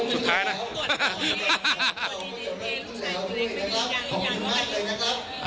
สุดท้ายนะ